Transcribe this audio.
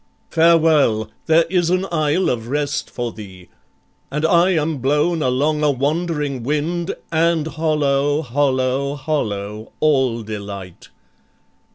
Farewell! there is an isle of rest for thee. And I am blown along a wandering wind, And hollow, hollow, hollow all delight."